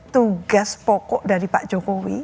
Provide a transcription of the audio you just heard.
tugas pokok dari pak jokowi